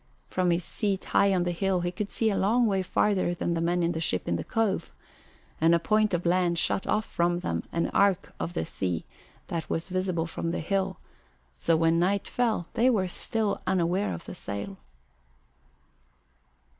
From his seat high on the hill he could see a long way farther than the men in the ship in the cove, and a point of land shut off from them an arc of the sea that was visible from the hill; so when night fell they were still unaware of the sail.